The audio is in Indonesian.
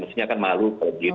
maksudnya akan malu